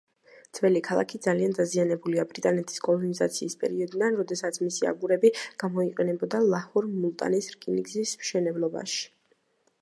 ძველი ქალაქი ძალიან დაზიანებულია ბრიტანეთის კოლონიზაციის პერიოდიდან, როდესაც მისი აგურები გამოიყენებოდა ლაჰორ—მულტანის რკინიგზის მშენებლობაში.